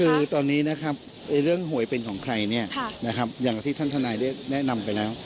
คือตอนนี้นะครับเรื่องหวยเป็นของใครเนี่ยนะครับอย่างที่ท่านทนายได้แนะนำไปแล้ว